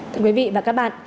thưa quý vị và các bạn